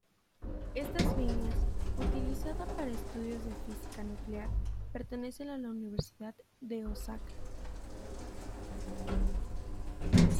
Estas líneas, utilizada para estudios de física nuclear, pertenecen a la Universidad de Osaka.